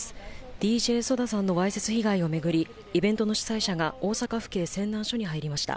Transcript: ＤＪＳＯＤＡさんのわいせつ被害を巡り、イベントの主催者が大阪府警泉南署に入りました。